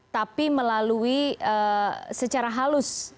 tapi melalui secara halus